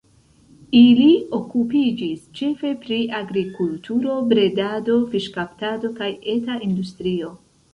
Ili okupiĝis ĉefe pri agrikulturo, bredado, fiŝkaptado kaj eta industrio.